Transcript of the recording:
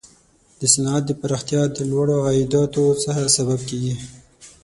د صنعت پراختیا د لوړو عایداتو سبب کیږي.